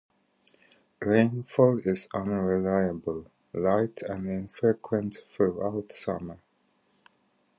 Rainfall is unreliable, light and infrequent throughout summer.